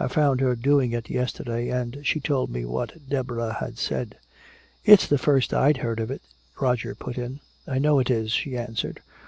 I found her doing it yesterday, and she told me what Deborah had said." "It's the first I'd heard of it," Roger put in. "I know it is," she answered.